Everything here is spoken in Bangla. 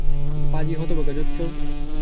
পাজি, হতভাগা, জোচ্চোর!